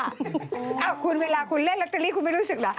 อ้าวคุณเวลาคุณเล่นลอตเตอรี่คุณไม่รู้สึกเหรอ